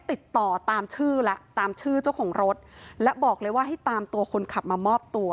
ติดต่อตามชื่อแล้วตามชื่อเจ้าของรถและบอกเลยว่าให้ตามตัวคนขับมามอบตัว